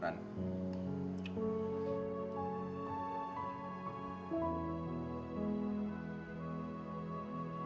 kau mau makan